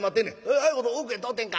早いこと奥へ通ってんか」。